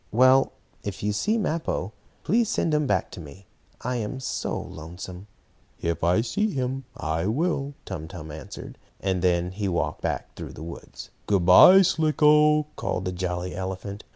Well, if you see Mappo, please send him back to me. I am so lonesome." "If I see him I will," Tum Tum answered. And then he walked on back through the woods. "Good bye, Slicko!" called the jolly elephant.